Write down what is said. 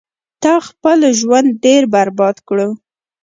تا خپل ژوند ډیر برباد کړو